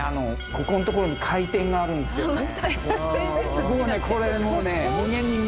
ここんところに回転があるんですよね。